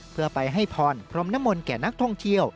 เพื่อไปให้พรพรมนมลแก่นักท่องเที่ยว